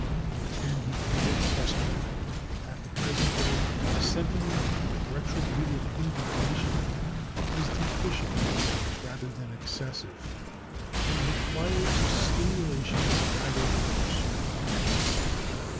There can be little question that at the present day the sentiment of retributive indignation is deficient rather than excessive, and requires stimulation rather than restraint.